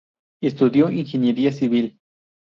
Estudió Ingeniería Civil.